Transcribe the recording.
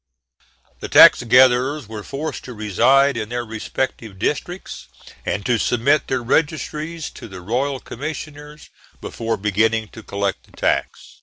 The tax gatherers were forced to reside in their respective districts, and to submit their registers to the royal commissioners before beginning to collect the tax.